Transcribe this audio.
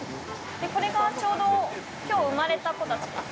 これが、ちょうどきょう生まれた子たち。